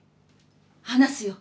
話すよ。